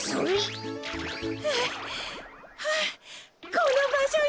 このばしょよ！